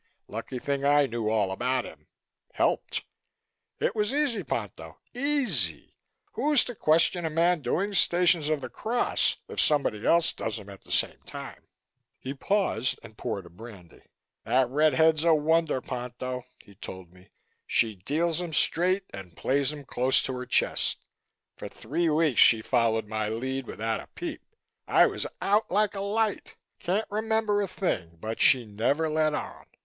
Lucky thing I knew all about him. Helped. It was easy, Ponto, easy. Who's to question a man doing Stations of the Cross if somebody else does 'em at the same time?" He paused and poured a brandy. "Tha' red head's a wonder, Ponto," he told me. "She deals 'em straight and plays 'em close to her chest. For three weeks she followed my lead without a peep. I was out like a light. Can't remember a thing but she never let on.